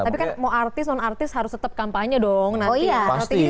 tapi kan mau artis non artis harus tetap kampanye dong nanti ya